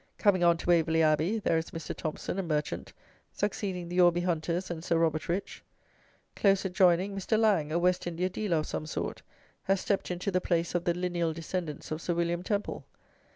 Coming on to Waverley Abbey, there is Mr. Thompson, a merchant, succeeding the Orby Hunters and Sir Robert Rich. Close adjoining, Mr. Laing, a West India dealer of some sort, has stepped into the place of the lineal descendants of Sir William Temple.